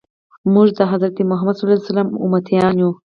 موږ د حضرت محمد صلی الله علیه وسلم امتیان یو.